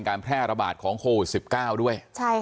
การแพร่ระบาดของโควิด๑๙ด้วย